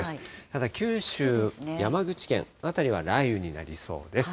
ただ九州、山口県辺りは雷雨になりそうです。